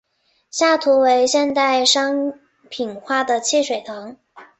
下图为现代商品化的汽水糖。